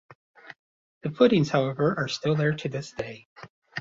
The footings, however, are still there to this day.